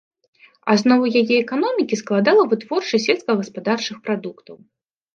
Аснову яе эканомікі складала вытворчасць сельскагаспадарчых прадуктаў.